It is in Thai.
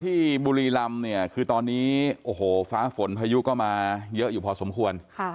ที่บุรีรำเนี่ยคือตอนนี้โอ้โหฟ้าฝนพายุก็มาเยอะอยู่พอสมควร